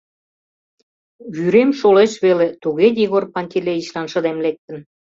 Вӱрем шолеш веле — туге Егор Пантелеичлан шыдем лектын.